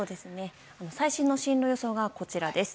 最新の進路予想がこちらです。